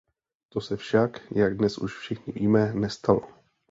To se však, jak dnes už všichni víme, nestalo.